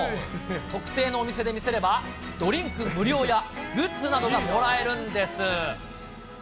特定のお店で見せれば、ドリンク無料や、グッズなどがもらえるんです。